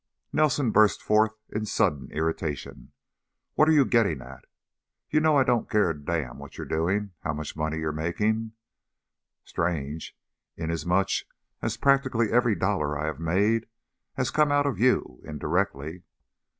Nelson burst forth in sudden irritation. "What are you getting at? You know I don't care a damn what you're doing, how much money you're making " "Strange! Inasmuch as practically every dollar I have made has come out of you, indirectly."